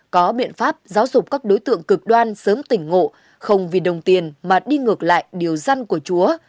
có biện pháp giáo dục các đối tượng cực đoan sớm tỉnh ngộ không vì đồng tiền mà đi ngược lại điều dân của chúa